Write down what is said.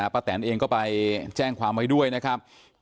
แตนเองก็ไปแจ้งความไว้ด้วยนะครับ